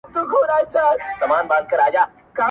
كله وي خپه اكثر.